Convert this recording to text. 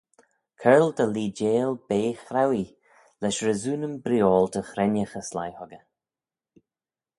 Coyrle dy leeideil bea chrauee, lesh resoonyn breeoil dy ghreinnaghey sleih huggey.